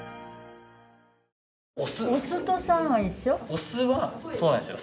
お酢はそうなんですよ